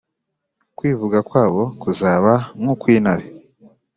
Kwivuga kwabo kuzaba nk’ukw’intare